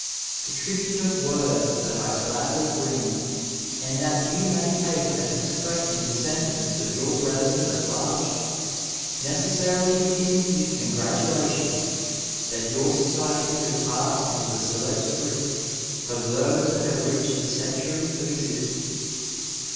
The tribute of words that I gladly bring — ^and that you may take as expressing the sentiments of your brethren at large — ^necessarily begins with congratulations that your society has passed into the select group of those that have reached a century of existence.